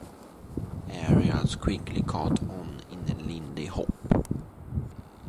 Aerials quickly caught on in Lindy Hop.